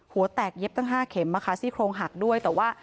หัวแตกเย็บตั้ง๕เข็มนะคะซี่โครงหักด้วยแต่ว่า